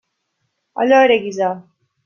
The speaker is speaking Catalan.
Allò era guisar.